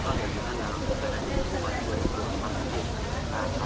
bukan hanya sebuah buahan